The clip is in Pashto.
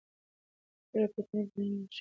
موږ په انټرنیټ کې د نړۍ نقشه ګورو.